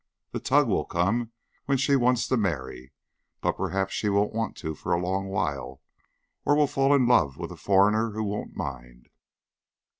The tug will come when she wants to marry; but perhaps she won't want to for a long while or will fall in love with a foreigner who won't mind."